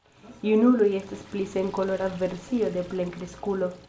Junuloj estas pli senkolora versio de plenkreskulo.